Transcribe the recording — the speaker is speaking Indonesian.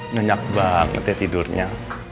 nenyak banget ya tidurnya